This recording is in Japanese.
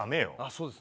そうですね。